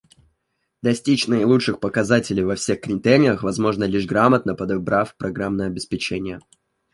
Достичь наилучших показателей во всех критериях возможно лишь грамотно подобрав программное обеспечение